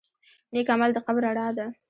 نیک عمل د قبر رڼا ده.